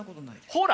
ほら！